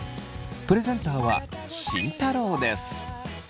プレゼンターは慎太郎です。